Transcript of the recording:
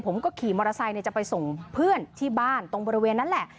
ผมก็ขี่มอเตอร์ไซค์จะไปส่งเพื่อนที่บ้านตรงบริเวณนั้นแหละ